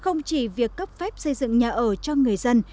không chỉ việc cấp phép xây dựng nhà ở cho người dân